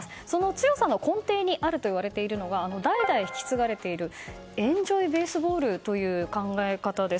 強さの根底にあるといわれるのが代々引き継がれているエンジョイ・ベースボールという考え方です。